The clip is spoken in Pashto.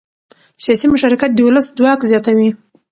سیاسي مشارکت د ولس ځواک زیاتوي